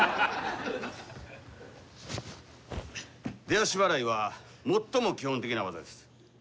出足払いは最も基本的な技です。